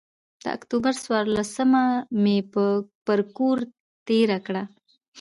د اکتوبر څورلسمه مې پر کور تېره کړه.